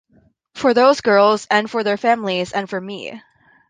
For those girls, and for their families, and for me.